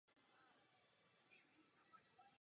Světového kongresu esperanta v Nitře.